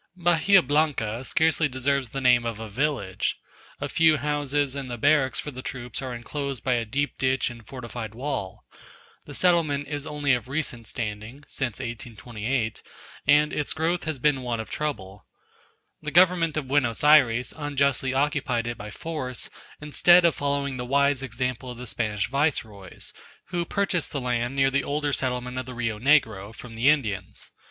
Bahia Blanca scarcely deserves the name of a village. A few houses and the barracks for the troops are enclosed by a deep ditch and fortified wall. The settlement is only of recent standing (since 1828); and its growth has been one of trouble. The government of Buenos Ayres unjustly occupied it by force, instead of following the wise example of the Spanish Viceroys, who purchased the land near the older settlement of the Rio Negro, from the Indians.